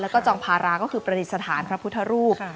แล้วก็จองภาราก็คือประดิษฐานพระพุทธรูป